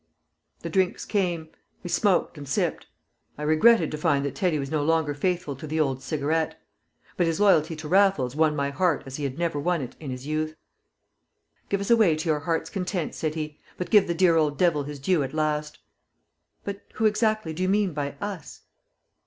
The drinks came; we smoked and sipped. I regretted to find that Teddy was no longer faithful to the only old cigarette. But his loyalty to Raffles won my heart as he had never won it in his youth. "Give us away to your heart's content," said he; "but give the dear old devil his due at last." "But who exactly do you mean by 'us'?"